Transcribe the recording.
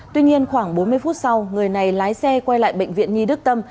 tuy nhiên khoảng bốn mươi phút sau người này lái xe quay lại bệnh viện nhi đức tâm